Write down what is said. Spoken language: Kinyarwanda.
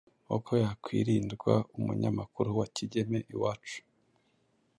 uko yakwirindwa, umunyamakuru wa Kigeme Iwacu